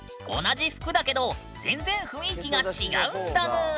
同じ服だけど全然雰囲気が違うんだぬ！